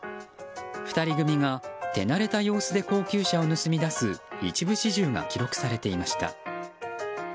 ２人組が手慣れた様子で高級車を盗み出す一部始終が記録されていました。